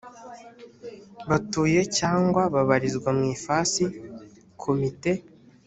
batuye cyangwa babarizwa mu ifasi komite